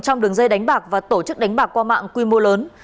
trong đường dây đánh bạc và tổ chức đánh bạc qua mạng quy mô lớn